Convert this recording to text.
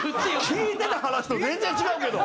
聞いてた話と全然違うけど。